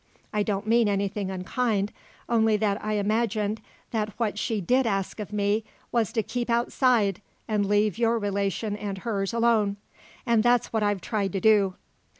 I don't mean anything unkind; only that I imagined that what she did ask of me was to keep outside and leave your relation and hers alone. And that's what I've tried to do."